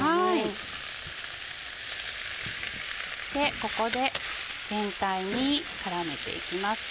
ここで全体に絡めていきます。